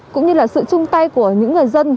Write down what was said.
cũng như là sự chung tay của những người dân